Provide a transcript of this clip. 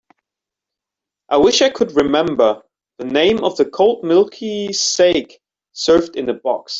I wish I could remember the name of the cold milky saké served in a box.